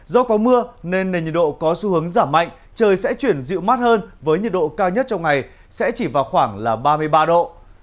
do có mưa nên nền nhiệt độ có xu hướng giảm mạnh trời sẽ chuyển dịu mát hơn với nhiệt độ cao nhất trong ngày sẽ chỉ vào khoảng ba mươi ba độ